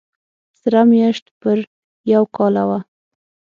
سره مېشت پر یو کاله و